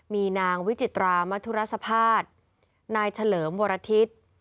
มีนางวิจิตรามธุรสภาษนายเฉลิมวรทิศ